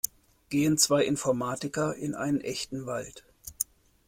Gehen zwei Informatiker in einen echten Wald.